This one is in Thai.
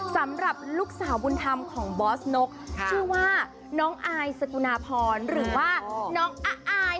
สำหรับลูกสาวบุญธรรมของบอสนกชื่อว่าน้องอายสกุณาพรหรือว่าน้องอาย